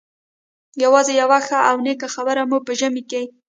یوازې یوه ښه او نېکه خبره مو په ژمي کې.